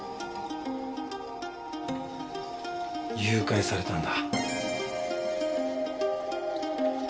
誘拐されたんだ。